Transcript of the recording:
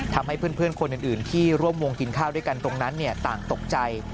ทำให้เพื่อนคนอื่นที่ร่วมวงกินข้าวด้วยกันตรงนั้นต่างตกใจ